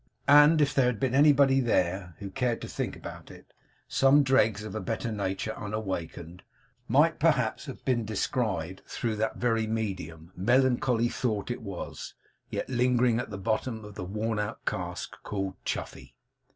And if there had been anybody there, who cared to think about it, some dregs of a better nature unawakened, might perhaps have been descried through that very medium, melancholy though it was, yet lingering at the bottom of the worn out cask called Chuffey.